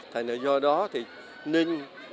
thế nên do đó thì nên